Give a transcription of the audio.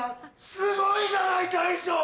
すごいじゃない大将！